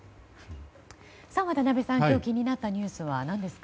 今日気になったニュースは何ですか？